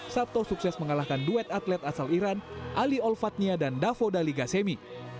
sabto sukses mengalahkan duet atlet asal iran ali olfatnia dan davo dali ghasemi